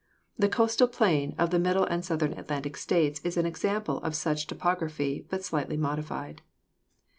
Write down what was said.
The coastal plain of the middle and southern Atlantic States is an example of such topography but slightly modified.